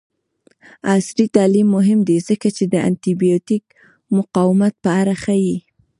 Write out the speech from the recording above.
عصري تعلیم مهم دی ځکه چې د انټي بایوټیک مقاومت په اړه ښيي.